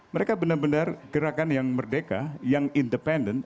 mereka benar benar gerakan yang merdeka yang independen